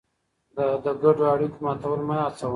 د ګډو اړیکو ماتول مه هڅوه.